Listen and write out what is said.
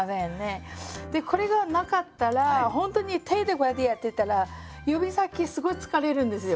でこれがなかったらほんとに手でこうやってやってたら指先すごい疲れるんですよ。